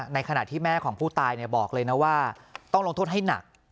ในขณะที่แม่ของผู้ตายบอกเลยนะว่าต้องลงโทษให้หนัก